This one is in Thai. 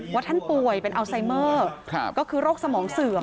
ท่านป่วยเป็นอัลไซเมอร์ก็คือโรคสมองเสื่อม